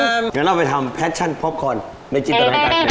เดี๋ยวเราไปทำแฟชั่นป๊อปคอร์นเบยนจริงต่อภาคก่อน